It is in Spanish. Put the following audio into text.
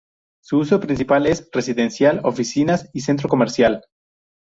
Su uso principal es: residencial, oficinas y centro comercial.